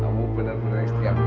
kamu benar benar istri aku